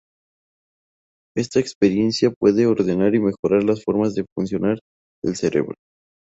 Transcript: Esta experiencia puede ordenar y mejorar las formas de funcionar del cerebro.